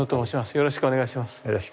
よろしくお願いします。